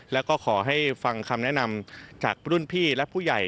แล้วก็ขอให้ฟังคำแนะนำจากรุ่นพี่และผู้ใหญ่